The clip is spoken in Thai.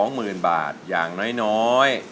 ๒หมื่นบาทอย่างน้อย